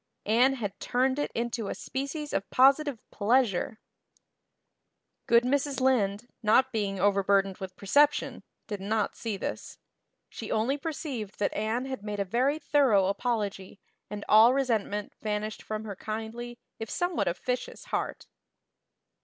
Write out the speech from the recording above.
Anne had turned it into a species of positive pleasure. Good Mrs. Lynde, not being overburdened with perception, did not see this. She only perceived that Anne had made a very thorough apology and all resentment vanished from her kindly, if somewhat officious, heart.